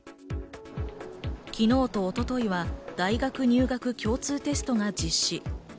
昨日と一昨日は大学入学共通テストが実施。